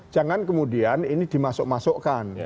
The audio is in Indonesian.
jangan kemudian ini dimasuk masukkan